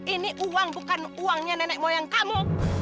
ini uang bukan uangnya nenek moyang kamu